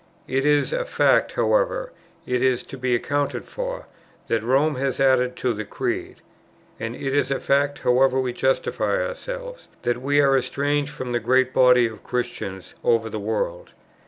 It is a fact, however it is to be accounted for, that Rome has added to the Creed; and it is a fact, however we justify ourselves, that we are estranged from the great body of Christians over the world.